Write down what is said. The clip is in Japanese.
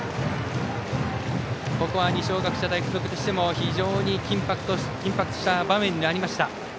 ここは二松学舎大付属としても非常に緊迫した場面になりました。